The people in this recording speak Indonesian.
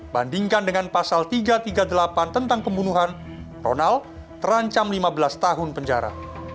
bandingkan dengan pasal tiga ratus tiga puluh delapan tentang pembunuhan ronald terancam lima belas tahun penjara